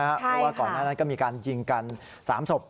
เพราะว่าก่อนหน้านั้นก็มีการยิงกัน๓ศพ